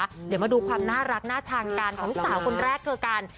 เดี๋ยวมาดูความน่ารักน่าช่างการของสาวคุณแรกแล้วกัน